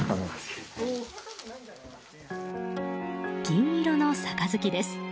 銀色の杯です。